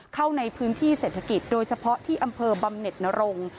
เข้าในพื้นที่เศรษฐกิจโดยเฉพาะที่อำเภอบำเน็ตนรงค์